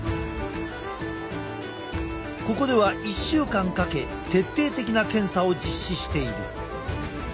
ここでは１週間かけ徹底的な検査を実施している。